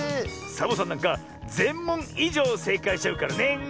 サボさんなんかぜんもんいじょうせいかいしちゃうからね。